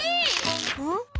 うん？